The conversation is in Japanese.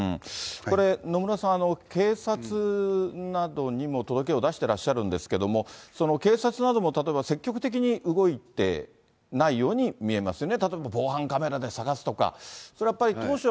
これ、野村さん、警察などにも届を出してらっしゃるんですけれども、警察なども例えば積極的に動いてないように見えますよね。